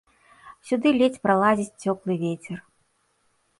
Сюды ледзь пралазіць цёплы вецер.